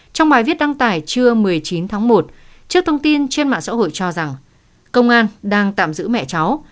trong bài viết đăng tải trưa một mươi chín tháng một trước thông tin trên mạng xã hội cho rằng công an đang tạm giữ mẹ cháu